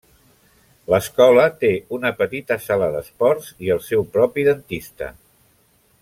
L'escola té una petita sala d'esports i el seu propi dentista.